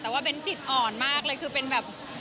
แต่ว่าเบ้นจิตอ่อนมากเลยคือเป็นแบบ